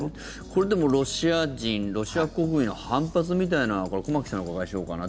これ、でも、ロシア人ロシア国民の反発みたいなのは駒木さんにお伺いしようかな。